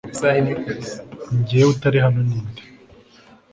Njyewe utari hano Ninde